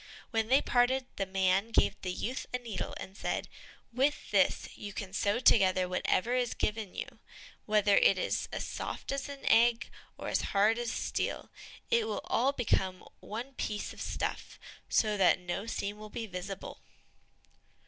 When they parted, the man gave the youth a needle, and said, "With this you can sew together whatever is given you, whether it is as soft as an egg or as hard as steel; and it will all become one piece of stuff, so that no seam will be visible."